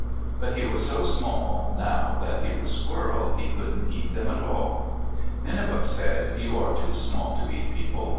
But he was so small, now that he was Squirrel, he couldn't eat them at all. Nenebuc said, "You are too small to eat people.